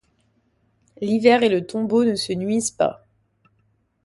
L’hiver et le tombeau ne se nuisent pas.